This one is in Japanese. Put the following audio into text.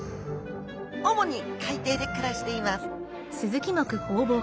主に海底で暮らしています